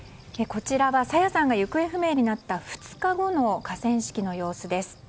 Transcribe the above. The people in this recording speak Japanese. こちらは朝芽さんが行方不明になった２日後の河川敷の様子です。